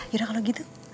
yura kalau gitu